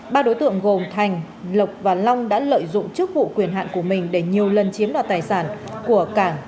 ba đối tượng gồm thành lộc và long đã lợi dụng chức vụ quyền hạn của mình để nhiều lần chiếm đoạt tài sản của cảng